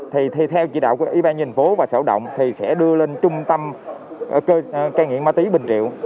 thì theo chỉ đạo của yên phố và sở động thì sẽ đưa lên trung tâm cây nghiện ma túy bình triệu